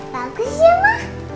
bagus ya mas